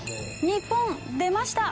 日本出ました！